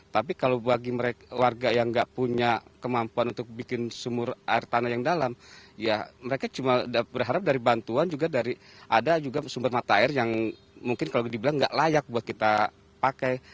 tapi kalau bagi warga yang nggak punya kemampuan untuk bikin sumur air tanah yang dalam ya mereka cuma berharap dari bantuan juga dari ada juga sumber mata air yang mungkin kalau dibilang nggak layak buat kita pakai